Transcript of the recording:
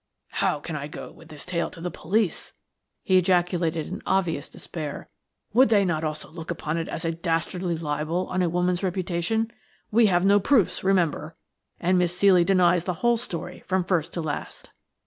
"How can I go with this tale to the police?" he ejaculated in obvious despair. "Would they not also look upon it as a dastardly libel on a woman's reputation? We have no proofs, remember, and Miss Ceely denies the whole story from first to last.